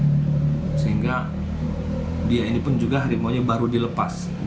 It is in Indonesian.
ekosistem yang sudah terganggu sehingga dia ini pun juga harimau baru dilepas